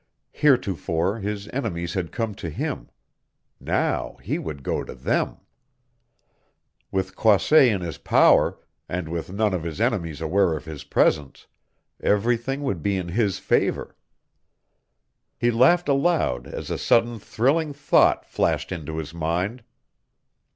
Heretofore his enemies had come to him; now he would go to them. With Croisset in his power, and with none of his enemies aware of his presence, everything would be in his favor. He laughed aloud as a sudden thrilling thought flashed into his mind.